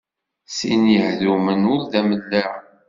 Sin yehdumen ur-d amellaɣ.